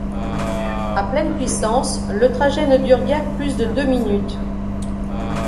À pleine puissance, le trajet ne dure guère plus de deux minutes.